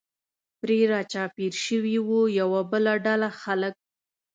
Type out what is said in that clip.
پرې را چاپېر شوي و، یوه بله ډله خلک.